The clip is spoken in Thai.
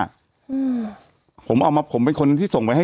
แต่หนูจะเอากับน้องเขามาแต่ว่า